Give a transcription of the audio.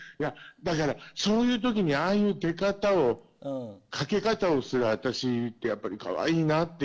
だからそういうときにああいう出方をかけ方をする私ってやっぱりかわいいなって。